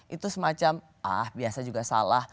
itu semacam ah biasa juga salah